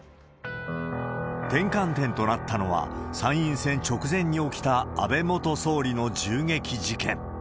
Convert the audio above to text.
転換点となったのは、参院選直前に起きた安倍元総理の銃撃事件。